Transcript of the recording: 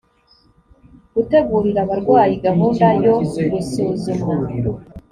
gutegurira abarwayi gahunda yo gusuzumwa